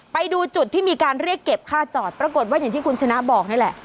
ไปดูจุดที่มีการเรียกเก็บค่าจอดปรากฏว่าอย่างที่คุณชนะบอกนี่แหละ